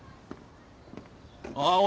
あっおい